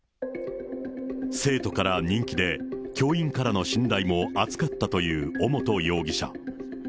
生徒から人気で教員からの信頼も厚かったという尾本容疑者。